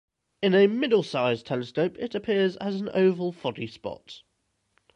In a middle sized telescope it appears as an oval foggy spot.